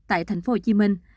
tại thành phố hồ chí minh